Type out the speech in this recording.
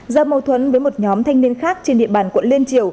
do mâu thuẫn với một nhóm thanh niên khác trên địa bàn